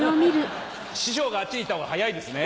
師匠があっちに行った方が早いですね。